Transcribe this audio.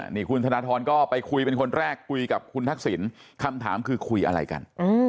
นี่คุณธนทรก็ไปคุยเป็นคนแรกคุยกับคุณทักษิณคำถามคือคุยอะไรกัน